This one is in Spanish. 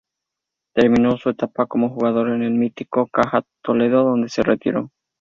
Terminó su etapa como jugador en el mítico Caja Toledo, donde se retiró.